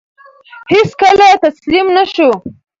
هیڅکله تسلیم نه شو.